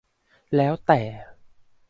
แล้วแต่